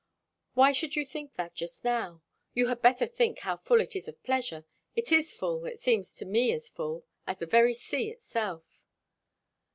"Why should you think that just now? You had better think, how full it is of pleasure. It's as full it seems to me as full as the very sea itself."